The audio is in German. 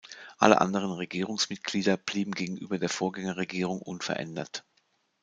Alle anderen Regierungsmitglieder blieben gegenüber der Vorgängerregierung unverändert.